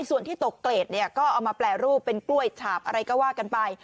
ส่วนที่ตกเกรดเนี่ยก็เอามาแปรรูปเป็นกล้วยฉาบอะไรก็ว่ากันไป